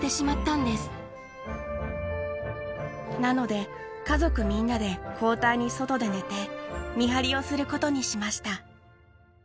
なので家族みんなで交代に外で寝て見張りをすることにしました。